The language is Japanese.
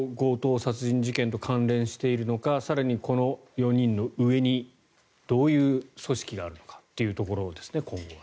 どう、強盗殺人事件と関連しているのか更に、この４人の上にどういう組織があるのかというところですね。